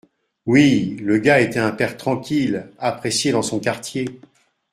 Oui. Le gars était un père tranquille, apprécié dans son quartier